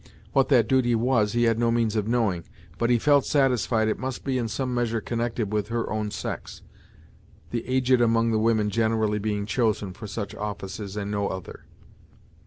What that duty was, he had no means of knowing; but he felt satisfied it must be in some measure connected with her own sex, the aged among the women generally being chosen for such offices and no other.